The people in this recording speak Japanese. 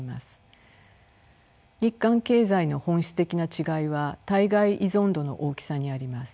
日韓経済の本質的な違いは対外依存度の大きさにあります。